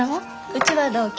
うちは同居。